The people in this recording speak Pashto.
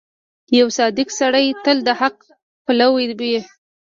• یو صادق سړی تل د حق پلوی وي.